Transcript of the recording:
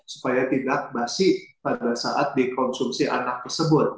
supaya tidak basi pada saat dikonsumsi anak tersebut